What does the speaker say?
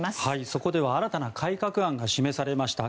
そこでは新たな改革案が示されました。